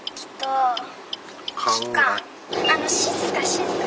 静か。